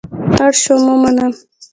اړ شوم ومنم.